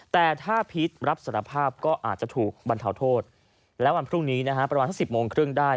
แต่ถ้าพีชรับสารภาพก็อาจจะถูกบรรเทาโทษแล้ววันพรุ่งนี้นะฮะประมาณสัก๑๐โมงครึ่งได้